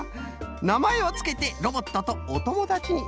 なまえをつけてロボットとおともだちになるんじゃね。